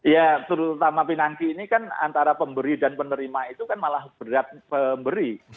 ya terutama pinangki ini kan antara pemberi dan penerima itu kan malah berat pemberi